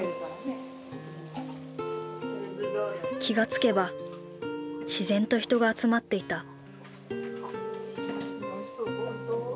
気がつけば自然と人が集まっていた。